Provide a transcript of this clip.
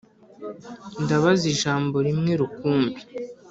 ndabaza ijambo rimwe rukumbi